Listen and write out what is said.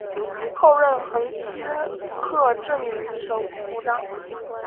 后任横须贺镇守府长。